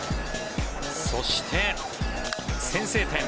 そして、先制点。